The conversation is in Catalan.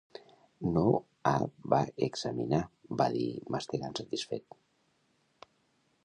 "No ha va examinar", vaig dir, mastegant satisfet.